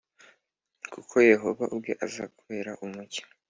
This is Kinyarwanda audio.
kuko Yehova ubwe azakubera umucyo